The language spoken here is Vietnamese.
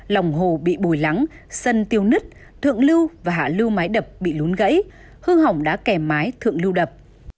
lòng hồ bị bồi lắng sân tiêu nứt thượng lưu và hạ lưu máy đập bị lún gãy hư hỏng đã kèm máy thượng lưu đập